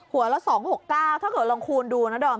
ละ๒๖๙ถ้าเกิดลองคูณดูนะดอม